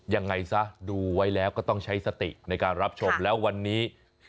ยังไงซะดูไว้แล้วก็ต้องใช้สติในการรับชมแล้ววันนี้